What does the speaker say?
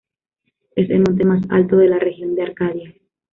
Es el monte más alto de la región de Arcadia.